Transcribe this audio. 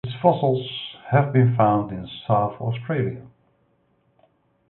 Its fossils have been found in South-Australia.